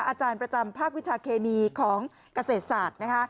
อาจารย์ประจำภาควิชาเคมีของเกษตรศาสตร์นะคะ